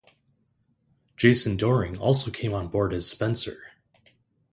Jason Dohring also came on board as Spencer.